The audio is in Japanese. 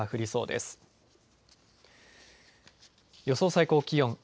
予想最高気温。